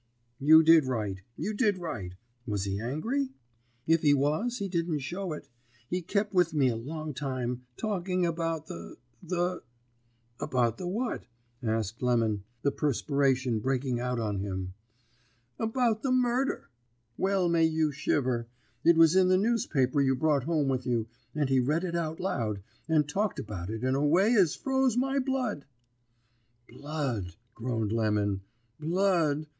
"'You did right, you did right. Was he angry?' "'If he was, he didn't show it. He kep with me a long time, talking about the the ' "'About the what?' asked Lemon, the perspiration breaking out on him. "'About the murder! Well may you shiver! It was in the newspaper you brought home with you, and he read it out loud, and talked about it in a way as froze my blood.' "'Blood!' groaned Lemon, 'Blood!